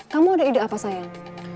kamu ada ide apa sayang